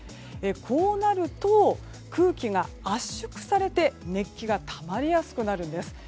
こうなると、空気が圧縮されて熱気がたまりやすくなるんです。